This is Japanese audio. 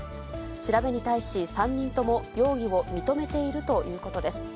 調べに対し３人とも容疑を認めているということです。